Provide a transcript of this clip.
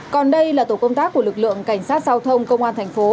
còn đây là tổ công tác của lực lượng cảnh sát giao thông công an tp